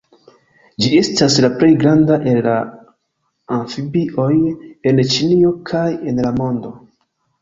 Ĝi estas la plej granda el la amfibioj en Ĉinio kaj en la mondo.